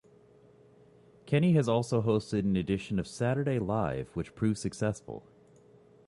Kenny had also hosted an edition of "Saturday Live" which proved successful.